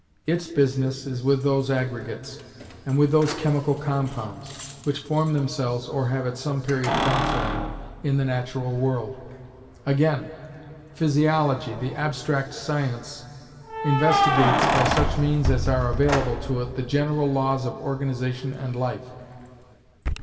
Its business is with those aggregates, and those chemical compounds, which form themselves, or have at some period been formed, in the natural world. Again, Physiology, the abstract science, investigates, by such means as are available to it, the general laws of organization and life.